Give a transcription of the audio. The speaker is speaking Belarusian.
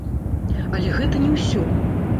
Але гэта не ўсё!